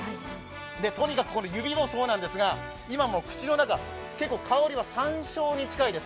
とにかく指もそうなんですが、今、口の中、結構香りは山椒に近いです。